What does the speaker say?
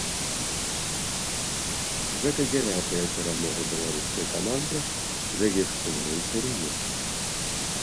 Гэта дзявятая перамога беларускай каманды за гісторыю турніру.